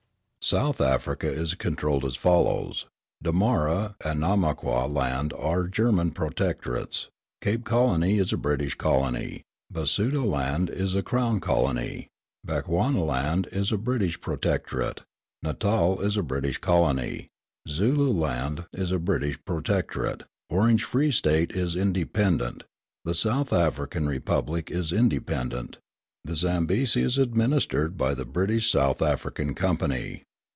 South Africa is controlled as follows: Damara and Namaqua Land are German protectorates, Cape Colony is a British colony, Basutoland is a Crown colony, Bechuanaland is a British protectorate, Natal is a British colony, Zululand is a British protectorate, Orange Free State is independent, the South African Republic is independent, and the Zambesi is administered by the British South African Company.